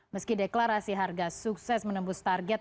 meski deklarasi harga sukses menembus target